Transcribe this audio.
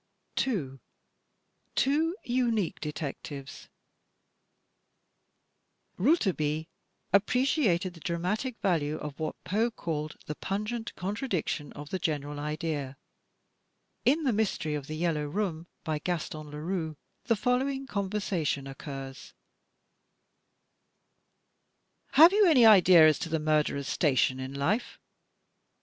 2. Two Unique Detectives Rouletabille appreciated the dramatic value of what Poe called the pimgent contradiction of the general idea. In 148 THE TECHNIQUE OF THE MYSTERY STORY "The Mystery of the Yellow Room," by Gaston Leroux, the following conversation occurs: "Have you any idea as to the murderer's station in life?"